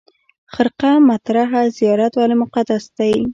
خرقه مطهره زیارت ولې مقدس دی؟